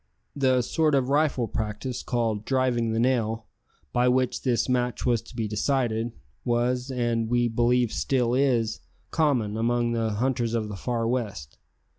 The sort of rifle practice called "driving the nail," by which this match was to be decided, was, and we believe still is, common among the hunters of the far west.